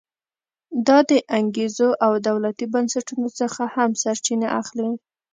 دا د انګېزو او دولتي بنسټونو څخه هم سرچینه اخلي.